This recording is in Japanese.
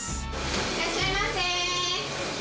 いらっしゃいませ。